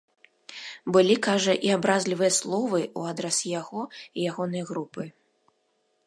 Былі, кажа, і абразлівыя словы ў адрас яго і ягонай групы.